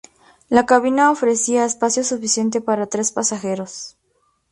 La cabina ofrecía espacio suficiente para tres pasajeros.